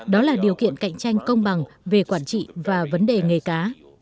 đó là điều kiện cạnh tranh công bằng về quản trị và vấn đề nghề cá